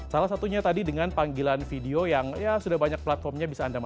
salah satunya tadi dengan panggilan video yang ya sudah banyak platformnya bisa anda manfaatkan